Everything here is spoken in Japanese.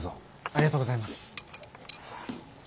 ありがとうございます。